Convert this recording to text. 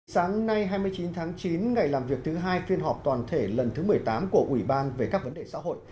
sáng nay hai mươi chín tháng chín ngày làm việc thứ hai phiên họp toàn thể lần thứ một mươi tám của ủy ban về các vấn đề xã hội